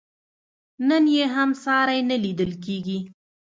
نن یې هم ساری نه لیدل کېږي.